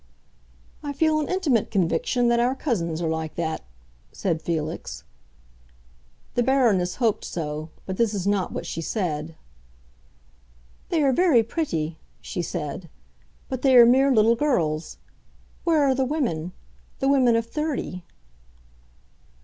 "I feel an intimate conviction that our cousins are like that," said Felix. The Baroness hoped so, but this is not what she said. "They are very pretty," she said, "but they are mere little girls. Where are the women—the women of thirty?"